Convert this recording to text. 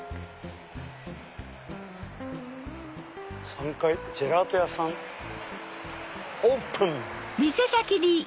３階ジェラート屋さんオープン！